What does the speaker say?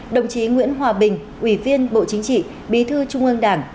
đồng chí nguyễn hòa bình ủy viên bộ chính trị bí thư trung ương đảng